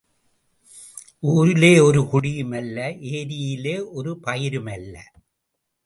ஊரிலே ஒரு குடியும் அல்ல ஏரியிலே ஒரு பயிரும் அல்ல.